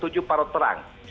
tujuh paro terang